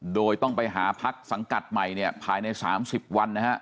โดยต้องไปหาพักสังกัดใหม่เนี่ยภายใน๓๐วันนะฮะ